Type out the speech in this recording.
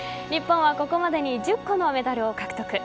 日本はここまでに１０個のメダルを獲得。